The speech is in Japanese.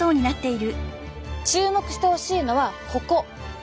注目してほしいのはここ。